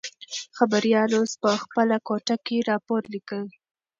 خبریال اوس په خپله کوټه کې راپور لیکي.